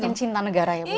semakin cinta negara ya bu